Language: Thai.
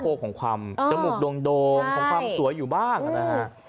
จมูกโดงสวยอยู่บ้างค่ะนะคะ